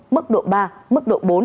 mức độ ba mức độ bốn